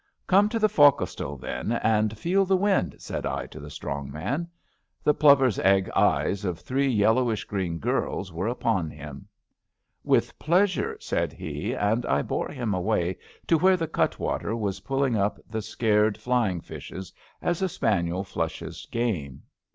Come to the fo'c'sle, then, and feel the wind," said I to the strong man. The plover 's egg eyes of three yellowish green girls were upon him. 76 ABAFT THE FUNNEL With pleasure/^ said he, and I bore him away to where the cut water was pulling up the scared flying fishes as a spaniel flushes game.